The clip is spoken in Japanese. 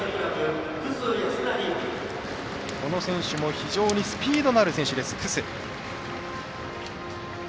この選手も非常にスピードのある選手です。